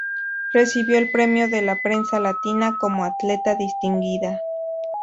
Recibió el Premio de la Prensa Latina como atleta distinguida.